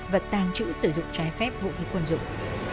và tàng trữ sử dụng trái phép vũ khí quân dụng